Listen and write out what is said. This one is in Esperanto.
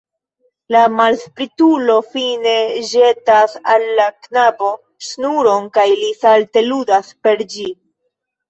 La malspritulo fine ĵetas al la knabo ŝnuron kaj li salte ludas per ĝi.